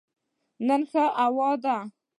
نن ښه هوا ده